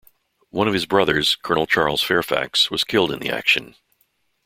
One of his brothers, Colonel Charles Fairfax, was killed in the action.